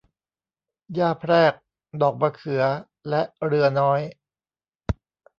หญ้าแพรก ดอกมะเขือ และเรือน้อย